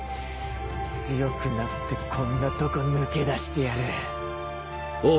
強くなってこんなとこ抜け出してやるんうあ！